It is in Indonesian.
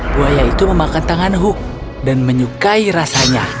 buaya itu memakan tangan hook dan menyukai rasanya